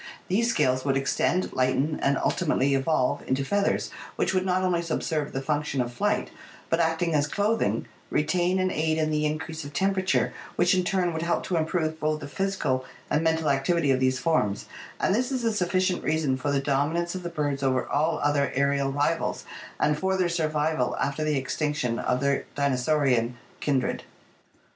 These scales would extend, lighten, and ultimately evolve into feathers which would not only subserve the function of flight but, acting as clothing, retain and aid in the increase of temperature, which in turn would help to improve both the physical and mental activ ity of these forms, and this is a sufficient reason for the dominance of the birds over all other aerial rivals and for their survival after the extinction of their dinosaurian kindred.